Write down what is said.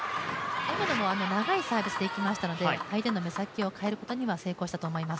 長いサービスでいきましたので、回転の目先を変えることには成功したと思います。